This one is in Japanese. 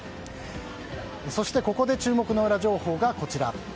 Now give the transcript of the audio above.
そして、ここで注目のウラ情報がこちら。